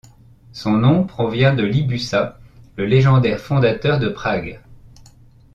Son nom provient de Libussa, le légendaire fondateur de Prague.